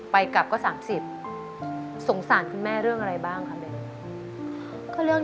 ไปกลับก็๓๐สงสารคุณแม่เรื่องอะไรบ้างครับเบน